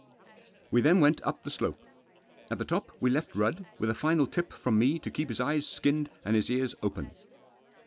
We then went up the slope. At the top we left Rudd, with a final tip from me to keep his eyes skinned, and his ears open.